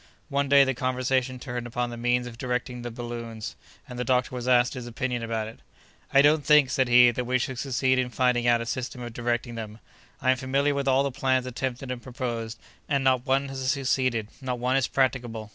One day the conversation turned upon the means of directing balloons, and the doctor was asked his opinion about it. "I don't think," said he, "that we shall succeed in finding out a system of directing them. I am familiar with all the plans attempted and proposed, and not one has succeeded, not one is practicable.